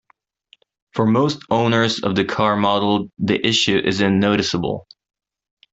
For most owners of the car model, the issue isn't noticeable.